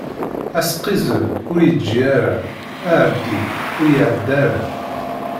Asqizzeb, ur yeǧǧi ara; aεeddi, ur iεedda ara.